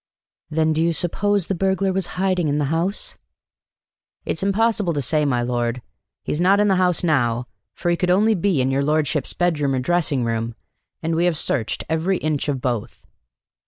"Then do you suppose the burglar was in hiding in the house?" "It's impossible to say, my lord. He's not in the house now, for he could only be in your lordship's bedroom or dressing room, and we have searched every inch of both."